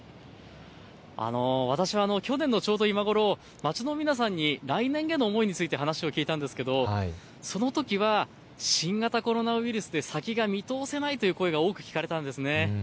私は去年のちょうど今頃、街の皆さんに来年への思いについて話を聞いたんですけれどもそのときは新型コロナウイルスで先が見通せないという声が多く聞かれたんですよね。